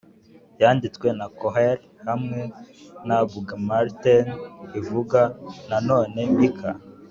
yanditswe na Koehler hamwe na Baumgartner ivuga nanone Mika